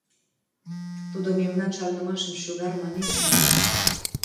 Тудо мемнан шарнымашым шӱгар манеш да...